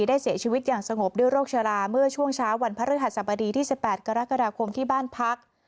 ได้เสียชีวิตอย่างสงบด้วยโรคชะลาเมื่อช่วงเช้าวันพระฤหัสบดีที่๑๘กรกฎาคมที่บ้านพัก